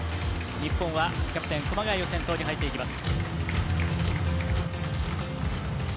日本はキャプテン熊谷を先頭に入っていきます。